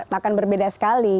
maka berbeda sekali